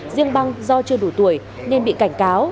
riêng băng do chưa đủ tuổi nên bị cảnh cáo